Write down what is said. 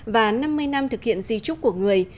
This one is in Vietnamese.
và năm mươi năm thực hiện di trúc của người